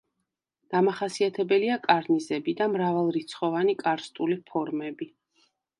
დამახასიათებელია კარნიზები და მრავალრიცხოვანი კარსტული ფორმები.